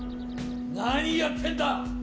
何やってんだ！